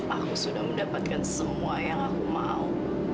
aku sudah mendapatkan semua yang aku mau